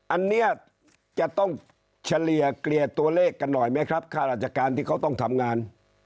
อันนี้จะต้องเฉลี่ยเกลี่ยตัวเลขกันหน่อยไหมครับค่าราชการที่เขาต้องทำงาน